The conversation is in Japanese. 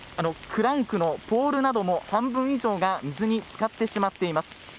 クランクのポールなども半分以上が水に浸かってしまっています。